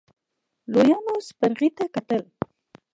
لويانو سپرغې ته کتل.